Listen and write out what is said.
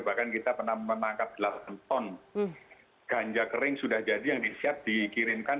bahkan kita pernah menangkap delapan ton ganja kering sudah jadi yang siap dikirimkan